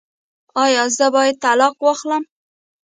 ایا زه باید طلاق واخلم؟